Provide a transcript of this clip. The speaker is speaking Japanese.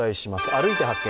「歩いて発見！